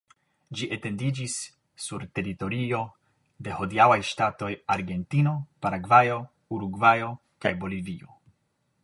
Ĝi etendiĝis sur teritorio de hodiaŭaj ŝtatoj Argentino, Paragvajo, Urugvajo kaj Bolivio.